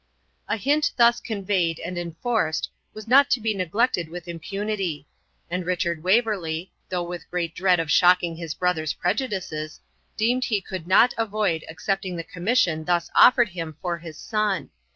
A hint thus conveyed and enforced was not to be neglected with impunity; and Richard Waverley, though with great dread of shocking his brother's prejudices, deemed he could not avoid accepting the commission thus offered him for his son.